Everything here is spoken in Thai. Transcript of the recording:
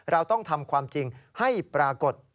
เราต้องทำความจริงให้ปรากฏ